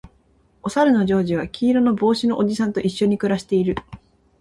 おさるのジョージは黄色の帽子のおじさんと一緒に暮らしている